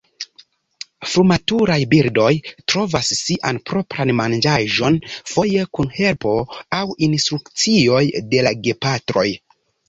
Frumaturaj birdoj trovas sian propran manĝaĵon, foje kun helpo aŭ instrukcioj de la gepatroj.